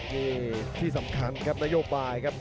นี่ที่สำคัญครับนโยบายครับ